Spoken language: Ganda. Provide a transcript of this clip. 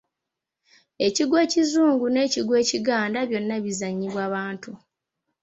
Ekigwo ekizungu n'ekigwo ekiganda byonna bizannyibwa bantu.